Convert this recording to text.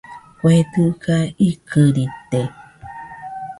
Kue dɨga ikɨrite